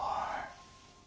はい。